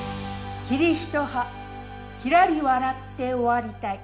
「桐一葉ひらり笑って終わりたい」。